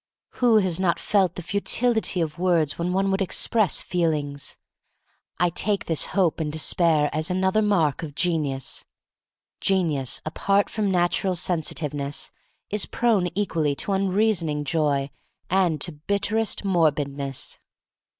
Who has not felt the futility of words when one would express feelings? I take this hope and despair as an other mark of genius. Genius, apart from natural sensitiveness, is prone equally to unreasoning joy and to bit terest morbidness.